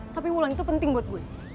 tapi wulan itu penting buat gue